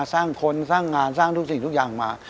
สร้างคนสร้างงานสร้างทุกสิ่งทุกอย่างมา